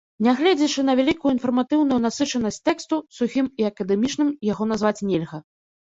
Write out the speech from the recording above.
Нягледзячы на вялікую інфарматыўную насычанасць тэксту, сухім і акадэмічным яго назваць нельга.